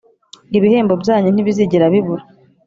ibihembo byanyu ntibizigera bibura